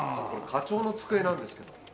これ課長の机なんですけど。